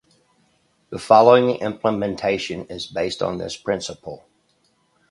The following implementation is based on this principle.